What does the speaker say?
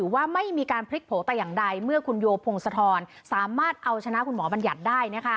ว่าไม่มีการพลิกโผล่แต่อย่างใดเมื่อคุณโยพงศธรสามารถเอาชนะคุณหมอบัญญัติได้